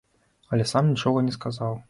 Але сам нічога не сказаў.